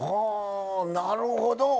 なるほど！